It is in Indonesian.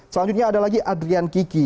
selanjutnya ada lagi adrian kiki